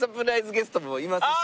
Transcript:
ゲストもいますし。